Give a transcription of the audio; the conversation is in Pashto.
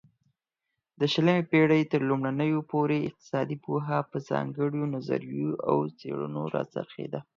د شلمې پيړۍ ترلومړيو پورې اقتصادي پوهه په ځانگړيو نظريو او څيړنو را څرخيده